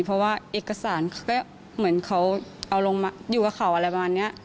เพราะว่าเอกสารเหมือนเขาเอาลงมาอยู่กับเขาอะไรแบบนี้